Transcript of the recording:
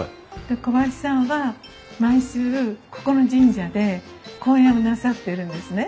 で小林さんは毎週ここの神社で公演をなさってるんですね。